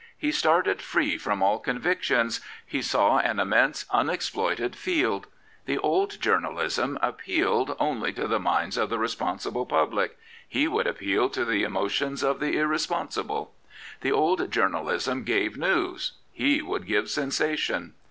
He started free from all convictions. He saw an immense unexploited field. The old journalism appealed only to the minds of the responsible public; he wonld appeal to the emotions of the irresponsible. The old journalism gave news; he would give sensation.